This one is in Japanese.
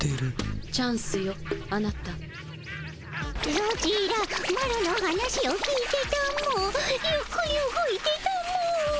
ソチらマロの話を聞いてたもゆっくり動いてたも。